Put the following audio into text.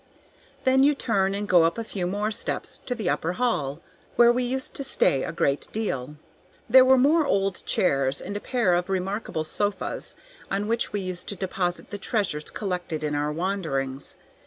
Then you turn and go up a few more steps to the upper hall, where we used to stay a great deal. There were more old chairs and a pair of remarkable sofas, on which we used to deposit the treasures collected in our wanderings.